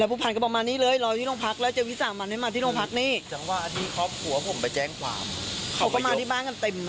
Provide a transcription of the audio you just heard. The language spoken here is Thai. เราอยู่โรงพักแท้มาขนกันหมดเลย